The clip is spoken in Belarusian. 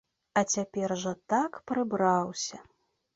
А цяпер жа так прыбраўся!